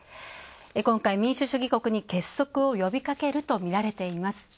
今回、民主主義国に結束を呼びかけるとみられています。